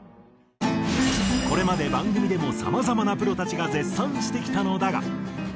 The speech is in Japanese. これまで番組でもさまざまなプロたちが絶賛してきたのだが。